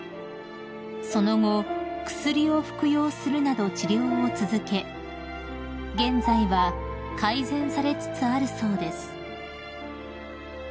［その後薬を服用するなど治療を続け現在は改善されつつあるそうです］